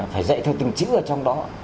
phải dạy theo từng chữ ở trong đó